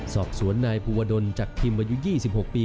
ศอกสวนนายภูวดลจากทิมวัยยุทธิ์๒๖ปี